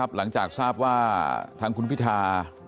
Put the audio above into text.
หลังจากทราบว่าทางคุณพิธา